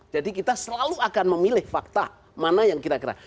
jadi kita selalu akan memilih fakta mana yang kita kira